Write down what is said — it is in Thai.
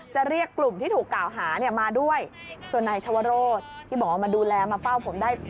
จะเรียกกลุ่มที่ถูกกล่าวหาเนี่ยมาด้วยส่วนนายชวโรธที่บอกว่ามาดูแลมาเฝ้าผมได้